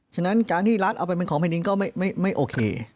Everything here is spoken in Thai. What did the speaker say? ฉะนั้นการที่ลาสเอาไปเป็นของเปจันทร์นี้ก็ไม่โอเค